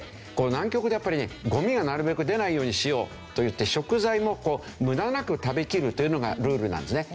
南極でやっぱりゴミがなるべく出ないようにしようといって食材も無駄なく食べきるというのがルールなんですね。